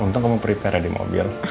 untung kamu prepara di mobil